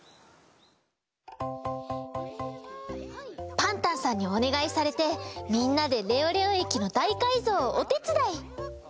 パンタンさんにおねがいされてみんなでレオレオえきのだいかいぞうをおてつだい！